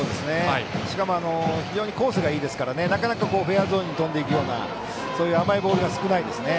しかも非常にコースがいいですからなかなか、フェアゾーンに飛んでいくようなそういう甘いボールが少ないですね。